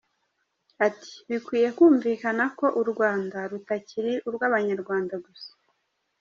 Ati “Bikwiye kumvikana ko u Rwanda rutakiri urw’abanyarwanda gusa.